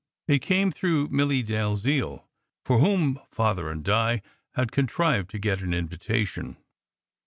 It came through Milly Dalziel, for whom Father and Di had contrived to get an invitation.